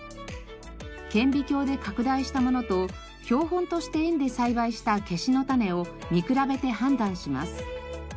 顕微鏡で拡大したものと標本として園で栽培したケシの種を見比べて判断します。